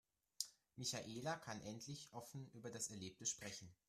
Michaela kann endlich offen über das Erlebte sprechen.